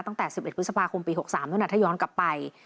ตั้งแต่๑๑พฤษภาคมปี๖๓เท่านั้นถ้าย้อนกลับไป